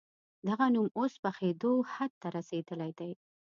دغه نوم اوس پخېدو حد ته رسېدلی دی.